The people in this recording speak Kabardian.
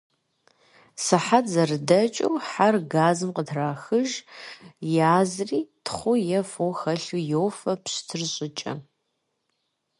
Сыхьэт зэрыдэкӀыу, хьэр газым къытрахыж, язри, тхъу е фо хэлъу йофэ пщтыр щӀыкӀэ.